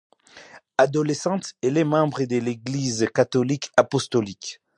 Adolescente, elle est membre de l'Église catholique apostolique.